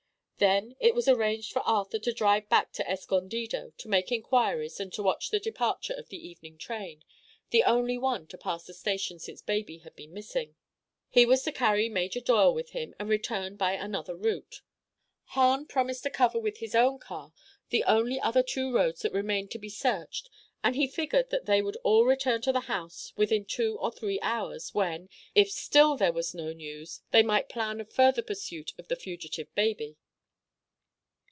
Then it was arranged for Arthur to drive back to Escondido to make inquiries and to watch the departure of the evening train, the only one to pass the station since baby had been missing. He was to carry Major Doyle with him and return by another route. Hahn promised to cover with his own car the only other two roads that remained to be searched, and he figured that they would all return to the house within two or three hours, when—if still there was no news—they might plan a further pursuit of the fugitive baby.